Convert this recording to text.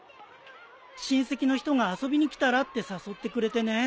親戚の人が遊びに来たらって誘ってくれてね。